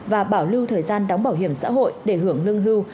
và bảo lưu thời gian đóng bảo hiểm xã hội để hưởng lương hưu